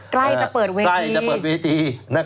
ใกล้จะเปิดเวทีใกล้จะเปิดเวที